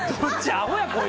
アホやこいつ。